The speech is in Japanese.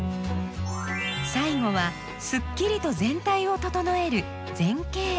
最後はすっきりと全体を整える「前景」。